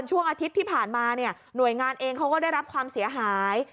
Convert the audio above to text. ช่วงอาทิตย์ที่ผ่านมาเนี่ยหน่วยงานเองเขาก็ได้รับความเสียหาย